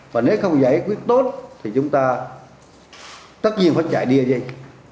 và nếu không giải quyết tốt thì chúng ta tất nhiên phải chạy đua dây